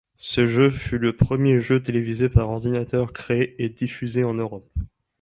Ce jeu fut le premier jeu télévisé par ordinateur créé et diffusé en Europe.